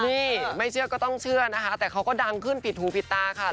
นี่ไม่เชื่อก็ต้องเชื่อนะคะแต่เขาก็ดังขึ้นผิดหูผิดตาค่ะ